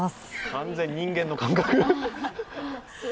完全に人間の感覚。